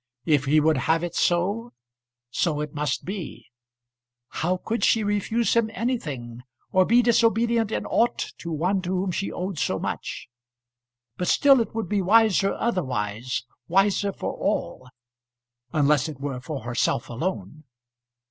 If he would have it so, so it must be. How could she refuse him anything, or be disobedient in aught to one to whom she owed so much? But still it would be wiser otherwise, wiser for all unless it were for herself alone.